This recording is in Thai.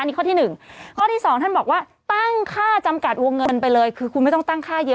นี่ข้อที่หนึ่งข้อที่สองท่านบอกว่าตั้งค่าจำกัดวงเงินไปเลยคือคุณไม่ต้องตั้งค่าเยอะ